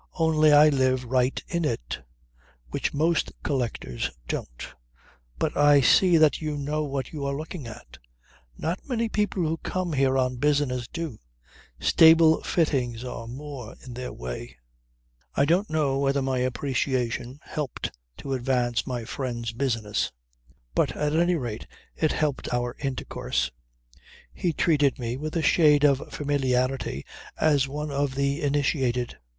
"Only I live right in it, which most collectors don't. But I see that you know what you are looking at. Not many people who come here on business do. Stable fittings are more in their way." I don't know whether my appreciation helped to advance my friend's business but at any rate it helped our intercourse. He treated me with a shade of familiarity as one of the initiated.